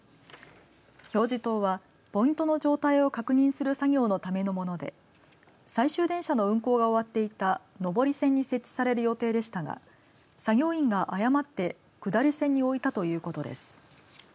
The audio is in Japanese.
表示灯はポイントの状態を確認する作業のためのもので最終電車の運行が終わっていた上り線に設置される予定でしたが作業員が誤って下り線に置いたということです。